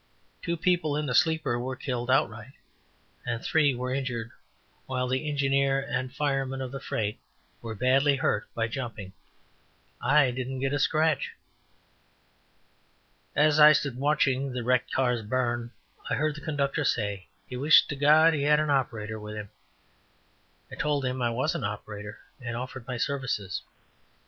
Two people in the sleeper were killed outright, and three were injured, while the engineer and fireman of the freight were badly hurt by jumping. I didn't get a scratch. As I stood watching the wrecked cars burn, I heard the conductor say, "he wished to God he had an operator with him." I told him I was an operator and offered my services.